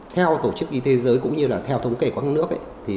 theo tổ chức y tế giới cũng như là theo thống kể của các nước